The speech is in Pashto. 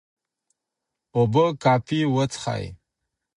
اوبه کافي وڅښئ.